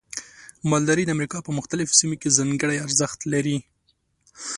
مالداري د امریکا په مختلفو سیمو کې ځانګړي ارزښت لري.